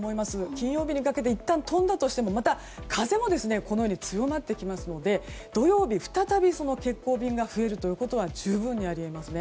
金曜日にかけていったん飛んだとしても風もまた強まってきますので土曜日再び欠航便が増えることは十分にあり得ますね。